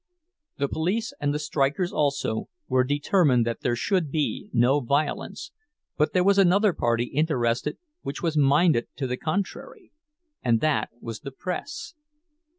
The police, and the strikers also, were determined that there should be no violence; but there was another party interested which was minded to the contrary—and that was the press.